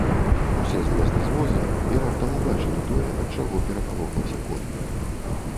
Усе злезлі з воза і раптам убачылі тое, ад чаго перапалохаўся конь.